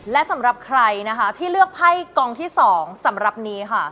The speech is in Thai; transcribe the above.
และสำหรับใครนะคะที่เลือกไพ่กองที่๒สำหรับนี้ค่ะ